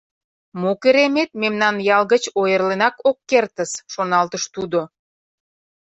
«Мо керемет, мемнан ял гыч ойырленак ок кертыс», — шоналтыш тудо.